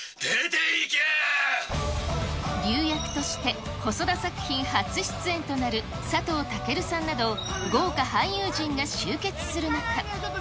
竜役として、細田作品初出演となる佐藤健さんなど、豪華俳優陣が集結する中。